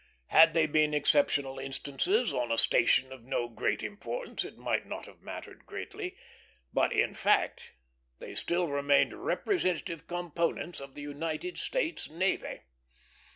Had they been exceptional instances, on a station of no great importance, it might not have mattered greatly; but in fact they still remained representative components of the United States navy.